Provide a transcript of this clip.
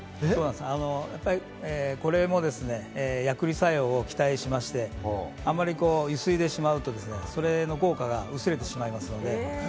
これもですね、薬理作用を期待しまして、あまりゆすいでしまうと、その効果が薄れてしまいますので。